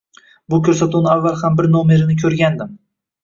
Bu koʻrsatuvni avval ham bir nomerini koʻrgandim.